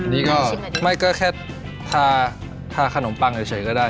หมั้นก็แค่ทาขนมปังกันเฉพนี่ก็ได้